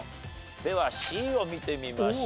ではＣを見てみましょう。